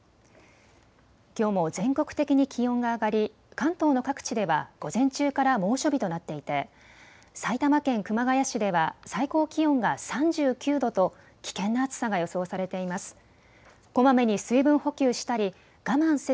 きょうも全国的に気温が上がり関東の各地では午前中から猛暑日となっていて埼玉県熊谷市では最高気温が３９度と危険な暑さが予想されています。